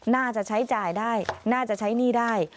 น่าจะใช้จ่ายได้น่าจะใช้หนี้ได้